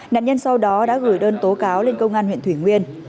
nạn nhân sau đó đã gửi đơn tố cáo lên công an huyện thủy nguyên